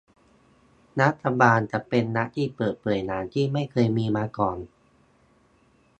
รัฐบาลจะเป็นรัฐที่เปิดเผยอย่างที่ไม่เคยมีมาก่อน